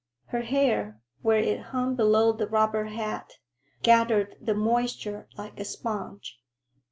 Her hair, where it hung below the rubber hat, gathered the moisture like a sponge.